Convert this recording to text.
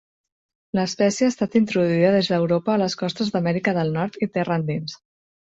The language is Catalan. L'espècie ha estat introduïda des d'Europa a les costes d'Amèrica del Nord i terra endins.